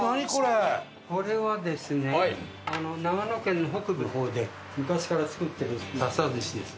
これはですね長野県の北部の方で昔から作ってる笹寿司です。